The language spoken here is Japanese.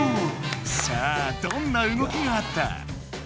さあどんな動きがあった？